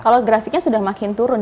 kalau grafiknya sudah makin turun